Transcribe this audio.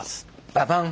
ババン！